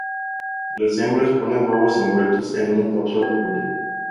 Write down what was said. Las hembras ponen huevos envueltos en una cápsula córnea.